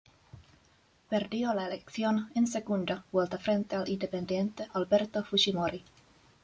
Perdió la elección en segunda vuelta frente al independiente Alberto Fujimori.